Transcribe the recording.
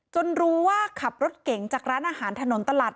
รู้ว่าขับรถเก่งจากร้านอาหารถนนตลาด